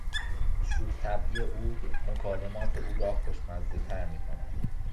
شوخ طبعی او مکالمات او را خوشمزهتر میکند.